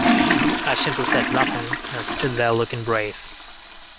I simply said nothing, and stood there looking brave.